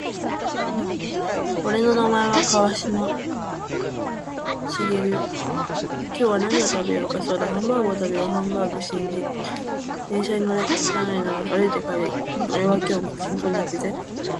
俺の名前は川島寛。今日は何を食べようか。そうだハンバーグを食べよう。ハンバーグ。シンジ、電車に乗れ。乗らないなら歩いて帰れ。俺は今日もパチンコに行くぜ。